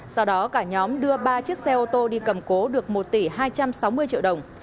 sau đó cả nhóm đưa ba chiếc xe ô tô đi cầm cố được một tỷ hai trăm sáu mươi triệu đồng